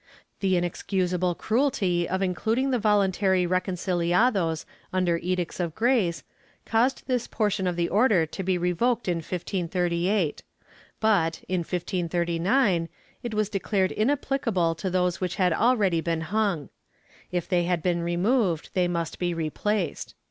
The inexcusable cruelty of including the voluntary reconciliados under Edicts of Grace caused this portion of the order to be revoked in 1538, but, in 1539, this was declared inap plicable to those which had already been hung — if they had been removed, they must be replaced.